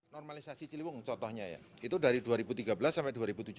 normalisasi ciliwung contohnya ya itu dari dua ribu tiga belas sampai dua ribu tujuh belas